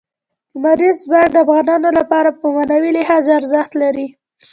لمریز ځواک د افغانانو لپاره په معنوي لحاظ ارزښت لري.